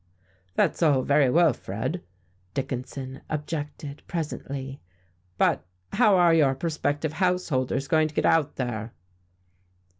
"That's all very well, Fred," Dickinson objected presently, "but how are your prospective householders going to get out there?"